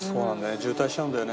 渋滞しちゃうんだよね」